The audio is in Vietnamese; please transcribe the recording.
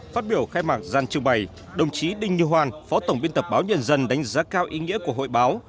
phát biểu khai mạc gian trưng bày đồng chí đinh như hoan phó tổng biên tập báo nhân dân đánh giá cao ý nghĩa của hội báo